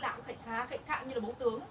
làm cũng khảnh khạng như là bố tướng